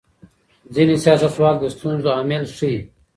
ځینې سیاستوال د ستونزو عامل ښيي.